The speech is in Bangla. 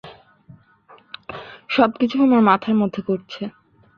সবকিছু আমার মাথার মধ্যে ঘটছে!